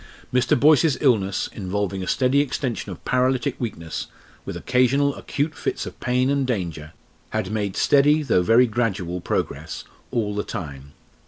Mr. Boyce's illness, involving a steady extension of paralytic weakness, with occasional acute fits of pain and danger, had made steady though very gradual progress all the time.